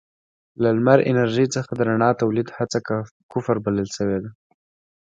له لمر انرژۍ څخه د رڼا تولید هڅه کفر بلل شوې ده.